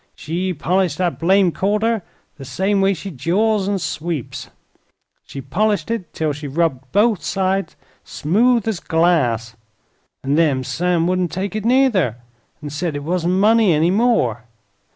She polished that blamed quarter the same way she jaws an' sweeps; she polished it 'til she rubbed both sides smooth as glass, an' then Sam wouldn't take it, nuther, 'n' said it wasn't money any more.